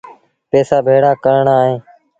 پئيٚسآ ڀيڙآ ڪرڻآن اهيݩ